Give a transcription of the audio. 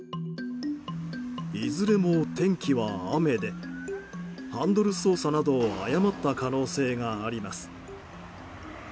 いずれも天気は雨でハンドル操作などを誤った可能性があります。